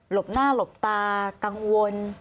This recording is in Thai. บหน้าหลบตากังวล